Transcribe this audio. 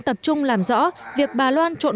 tập trung làm rõ việc bà loan trộn